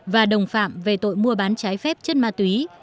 và đồng phạm về tội mua bán trái phép chất ma túy